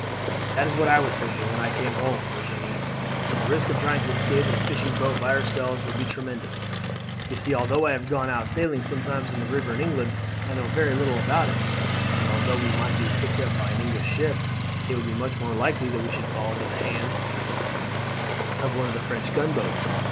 "That is what I was thinking when I came home, Virginie; but the risk of trying to escape in a fishing boat by ourselves would be tremendous. You see, although I have gone out sailing sometimes on the river in England, I know very little about it, and although we might be picked up by an English ship, it would be much more likely that we should fall into the hands of one of the French gunboats.